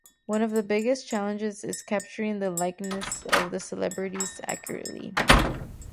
One of the biggest challenges is capturing the likeness of the celebrities accurately.